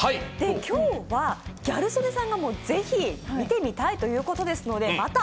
今日はギャル曽根さんがぜひ見てみたいということなのでまた